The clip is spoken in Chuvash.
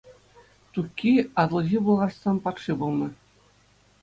Тукки Атӑлҫи Пӑлхарстан патши пулнӑ.